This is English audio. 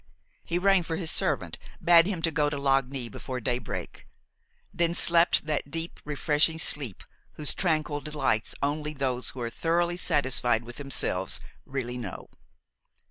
He rang for his servant, bade him go to Lagny before daybreak; then slept that deep, refreshing sleep whose tranquil delights only those who are thoroughly satisfied with themselves really know.